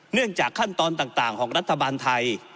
เนื่องจากขั้นตอนต่างของรัฐบาลไทย